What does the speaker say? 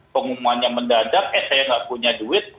pengumumannya mendadak eh saya nggak punya duit